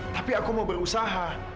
tapi aku mau berusaha